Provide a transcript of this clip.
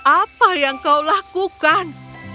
apa yang kau lakukan